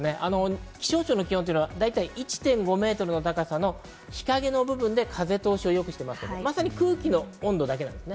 気象庁の気温は１．５メートルの高さの日陰の部分で風通しを良くしていますので空気の温度だけなんです。